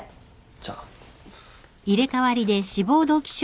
じゃあ。